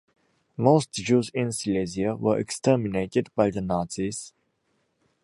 Most Jews in Silesia were exterminated by the Nazis.